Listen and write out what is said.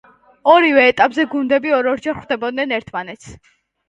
ორივე ეტაპზე გუნდები ორ-ორჯერ ხვდებოდნენ ერთმანეთს.